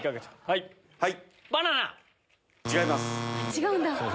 違うんだ。